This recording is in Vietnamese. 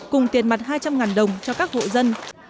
cùng tiền mặt hai trăm linh đồng cho các hộ dân